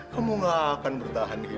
kamu gak akan bertahan gitu